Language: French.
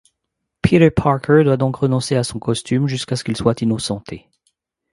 Peter Parker doit donc renoncer à son costume jusqu'à ce qu'il soit innocenté.